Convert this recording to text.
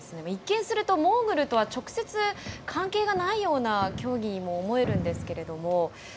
一見するとモーグルとは直接関係がないような競技にも思えるんですけれども